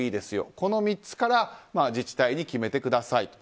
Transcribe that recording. この３つから自治体に決めてくださいと。